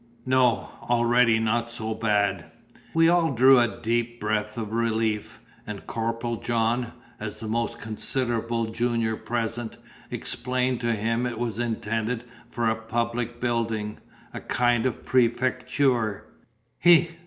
"No, already not so bad." We all drew a deep breath of relief; and Corporal John (as the most considerable junior present) explained to him it was intended for a public building, a kind of prefecture "He!